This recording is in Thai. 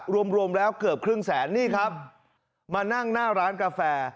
รวมรวมแล้วเกือบครึ่งแสนนี่ครับมานั่งหน้าร้านกาแฟ